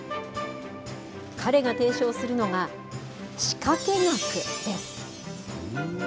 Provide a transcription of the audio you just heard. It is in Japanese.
彼が提唱するのが、仕掛学です。